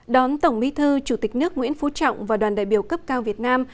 đón tổng bí thư chủ tịch nước nguyễn phú trọng và đoàn đại biểu cấp cao việt nam